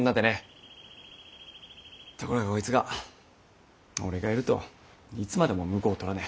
ところがこいつが俺がいるといつまでも婿を取らねえ。